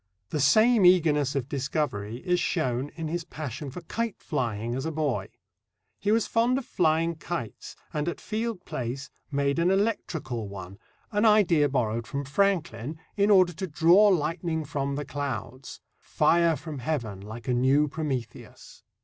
The same eagerness of discovery is shown in his passion for kite flying as a boy: He was fond of flying kites, and at Field Place made an electrical one, an idea borrowed from Franklin, in order to draw lightning from The clouds fire from Heaven, like a new Prometheus.